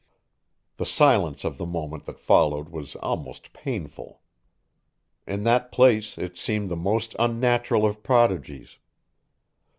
The silence of the moment that followed was almost painful. In that place it seemed the most unnatural of prodigies.